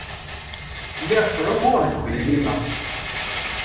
Lliɣa ttɛummuɣ deg ugelmim-a.